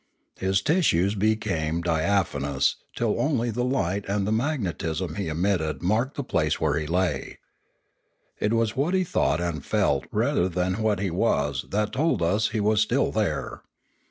His tissues became diaphanous, till only the light and the magnetism he emitted marked the place where he lay. It was what he thought and felt rather than what he was that told us he was still there.